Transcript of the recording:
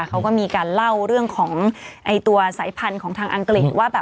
เขาก็มีการเล่าเรื่องของตัวสายพันธุ์ของทางอังกฤษว่า